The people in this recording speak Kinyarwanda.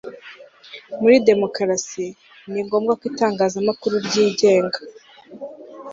muri demokarasi, ni ngombwa ko itangazamakuru ryigenga